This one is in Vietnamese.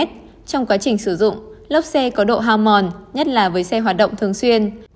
trong quá trình sử dụng lốp xe có độ hao mòn nhất là với xe hoạt động thường xuyên